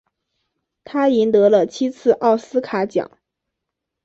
他赢得了七次奥斯卡奖。